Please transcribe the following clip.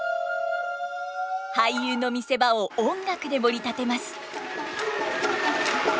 俳優の見せ場を音楽でもり立てます。